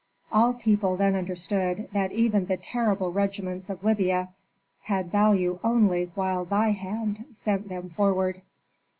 All people then understood that even the terrible regiments of Libya had value only while thy hand sent them forward."